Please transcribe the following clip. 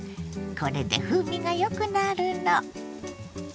これで風味がよくなるの。